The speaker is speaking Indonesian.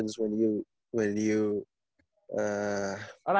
ya saat kamu datang ke jakarta